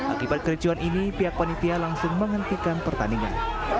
akibat kericuan ini pihak panitia langsung menghentikan pertandingan